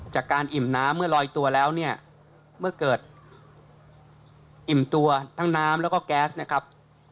จากการอิ่มน้ำเมื่อลอยตัวแล้วเนี่ยเมื่อเกิดอิ่มตัวทั้งน้ำแล้วก็แก๊สนะครับ